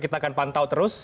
kita akan pantau terus